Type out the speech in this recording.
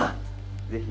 ぜひ。